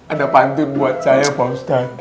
ada pantun buat saya pak ustadz